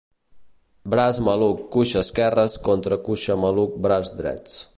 Braç maluc cuixa esquerres contra cuixa maluc braç drets.